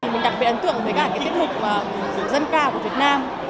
mình đặc biệt ấn tượng với các tiết lục dân ca của việt nam